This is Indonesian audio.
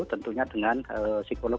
tentunya dengan psikolog